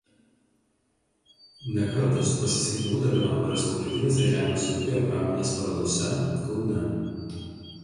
Ne kartą su pasisekimu dalyvavo respublikinėse žemės ūkio ir pramonės parodose Kaune.